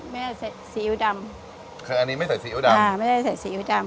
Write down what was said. ไม่ได้ใส่สียูดำคืออันนี้ไม่ใส่สียูดำอ่าไม่ได้ใส่สียูดำ